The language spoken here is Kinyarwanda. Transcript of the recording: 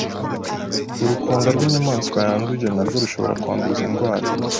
Urukonda rw’ inyamaswa yanduye narwo rushobora kwanduza indwara